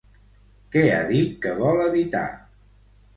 Què ha dit que vol evitar?